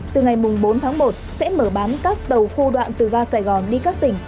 từ ngày bốn tháng một sẽ mở bán các tàu khu đoạn từ ga sài gòn đi các tỉnh